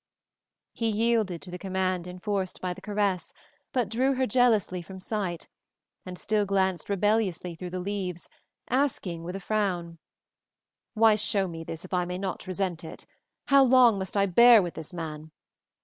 He yielded to the command enforced by the caress but drew her jealously from sight, and still glanced rebelliously through the leaves, asking with a frown, "Why show me this if I may not resent it? How long must I bear with this man?